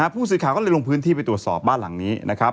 ผู้สื่อข่าวก็เลยลงพื้นที่ไปตรวจสอบบ้านหลังนี้นะครับ